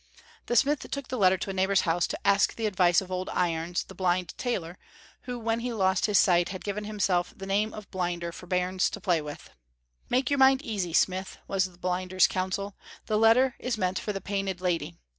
The smith took the letter to a neighbor's house to ask the advice of old Irons, the blind tailor, who when he lost his sight had given himself the name of Blinder for bairns to play with. "Make your mind easy, smith," was Blinder's counsel. "The letter is meant for the Painted Lady.